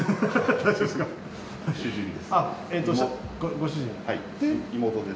ご主人で。